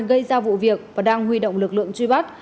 gây ra vụ việc và đang huy động lực lượng truy bắt